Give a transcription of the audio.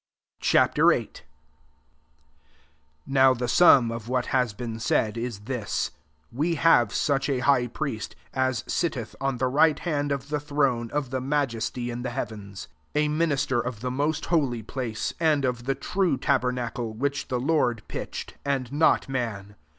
Ch. VUI. 1 NOW the sum of what has been said ia this: We have such a high priest, as sitteth on the right hand of the throne of the Majesty in the heavens ;£ a minister of the most Holy Place, and of the true tabernacle, which the Lord pitched, [andl not man.